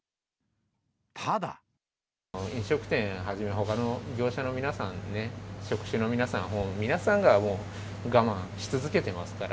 飲食店はじめ、ほかの業者の皆さん、職種の皆さん、皆さんがもう、我慢し続けてますから。